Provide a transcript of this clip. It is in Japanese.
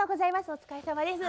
お疲れさまです。